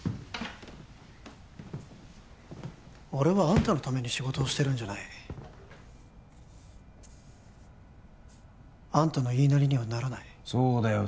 俺はあんたのために仕事をしてるんじゃないあんたの言いなりにはならないそうだよ